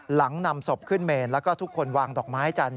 หลังนำศพขึ้นเมนแล้วก็ทุกคนวางดอกไม้จันทร์